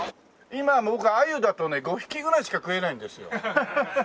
今僕アユだとね５匹ぐらいしか食えないんですよ。